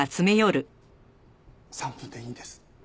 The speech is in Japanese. ３分でいいんです。